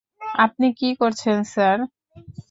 আপনি কি করছেন, স্যার?